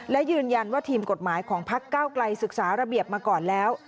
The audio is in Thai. และยืนยันว่าทีมกฎหมายของพักเก้าไกลศึกษาระเบียบมาก่อนแล้ว